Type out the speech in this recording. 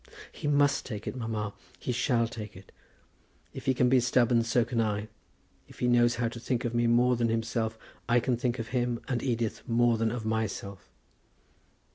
"He must take it, mamma. He shall take it. If he can be stubborn, so can I. If he knows how to think of me more than himself, I can think of him and Edith more than of myself.